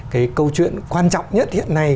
cái câu chuyện quan trọng nhất hiện nay